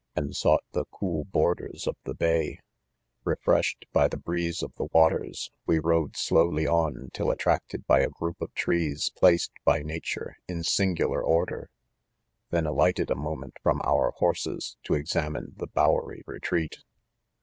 arid sought the cool borders of the buy. """'";~""" —r ——" Refreshed by the "breeze ^f tlie^watefipWe rode slowly on till attracted by a group of trees 60. 1DOMEN* placed by nature, in singular order, then alight ed a moment from our horses, to examine the bowery retreat.